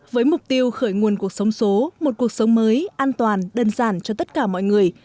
với mục tiêu khởi nguồn cuộc sống số một cuộc sống mới an toàn đơn giản cho tất cả mọi người